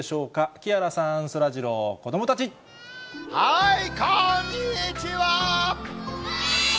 木原さん、そらジロー、子どもたこんにちは。